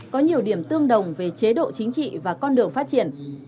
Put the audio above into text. có nhiều điểm tương đồng về chế độ chính trị và con đường phát triển